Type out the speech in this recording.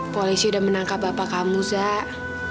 polisi sudah menangkap bapak kamu zak